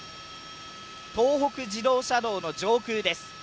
東北自動車道の上空です。